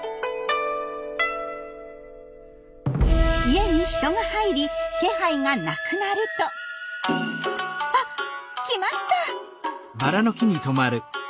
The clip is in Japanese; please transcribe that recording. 家に人が入り気配がなくなるとあっ来ました！